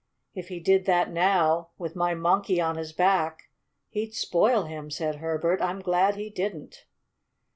"If he did that now, with my Monkey on his back, he'd spoil him," said Herbert. "I'm glad he didn't."